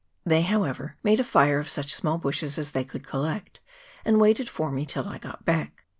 They, however, made a fire of such small bushes as they could collect, and waited for me till I got back.